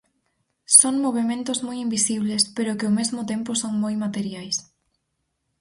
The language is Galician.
Son movementos moi invisibles pero que ao mesmo tempo son moi materiais.